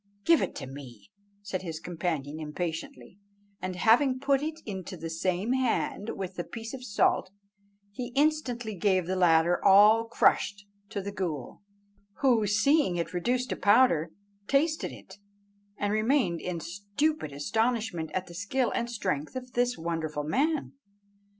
"Give it me," said his companion impatiently; and, having put it into the same hand with the piece of salt, he instantly gave the latter all crushed to the ghool, who, seeing it reduced to powder, tasted it, and remained in stupid astonishment at the skill and strength of this wonderful man.